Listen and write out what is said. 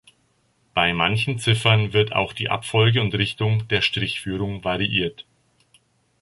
Bei manchen Ziffern wird auch die Abfolge und Richtung der Strichführung variiert.